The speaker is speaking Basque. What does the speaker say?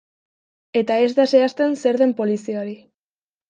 Eta ez da zehazten zer den poliziari.